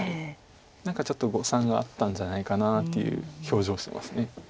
何かちょっと誤算があったんじゃないかなという表情をしてます。